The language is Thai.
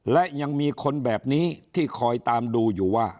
และยังมีคนแบบนี้ที่คอยตามดูอยู่ว่า